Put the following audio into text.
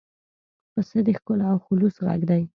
پسه د ښکلا او خلوص غږ دی.